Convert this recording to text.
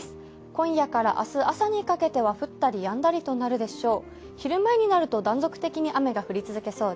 今夜から明日朝にかけては降ったりやんだりとなるでしょう。